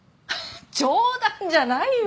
冗談じゃないわよ。